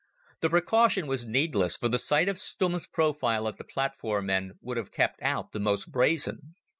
The precaution was needless, for the sight of Stumm's profile at the platform end would have kept out the most brazen.